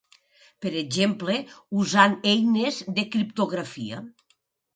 Per exemple usant eines de criptografia.